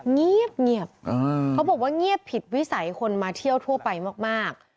เงียบเขาบอกว่าเงียบผิดวิสัยคนมาเที่ยวทั่วไปมาก